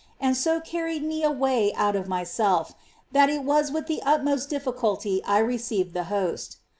395 SO carried me away out of myself, that it was with the utmost difficulty I received the Host.